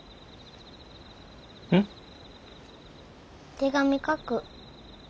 手紙書く。